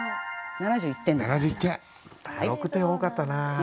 ７１点６点多かったな。